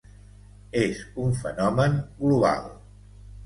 És un fenomen global.